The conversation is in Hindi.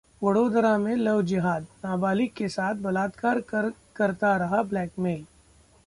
वडोदरा में लव जिहाद, नाबालिग के साथ बलात्कार कर करता रहा ब्लैकमेल